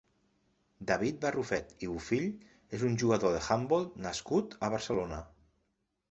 David Barrufet i Bofill és un jugador d'handbol nascut a Barcelona.